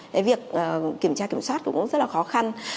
cái việc kiểm tra kiểm soát cũng rất là khó khăn